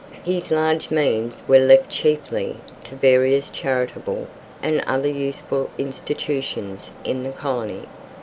His large means were left chiefly to various charitable and other useful institutions in the colony.